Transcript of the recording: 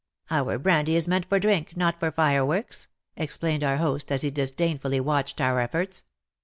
*' Our brandy is meant for drink, not for fireworks," explained our host as he disdain fully watched our efforts.